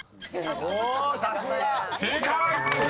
［正解！